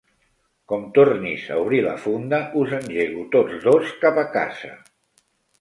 Com tornis a obrir la funda us engego tots dos cap a casa.